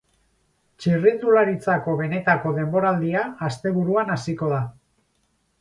Txirrindularitzako benetako denboraldia asteburuan hasiko da.